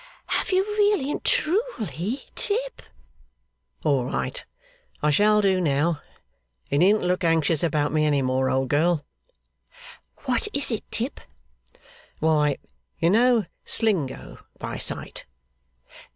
'Have you really and truly, Tip?' 'All right. I shall do now. You needn't look anxious about me any more, old girl.' 'What is it, Tip?' 'Why, you know Slingo by sight?